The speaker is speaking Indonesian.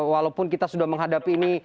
walaupun kita sudah menghadapi ini